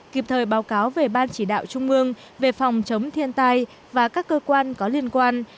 kịp thời báo cáo về ban chỉ đạo trung ương về phòng chống thiên tai và các cơ quan có liên quan